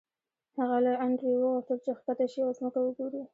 هغه له انډریو وغوښتل چې ښکته شي او ځمکه وګوري